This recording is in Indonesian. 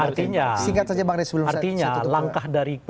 artinya singkat saja bang res sebelum saya tutup